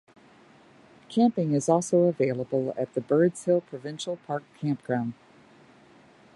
Camping is also available at the Birds Hill Provincial Park Campground.